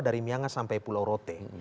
dari miangas sampai pulau rote